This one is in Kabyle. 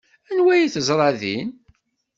Anwa ay teẓra din?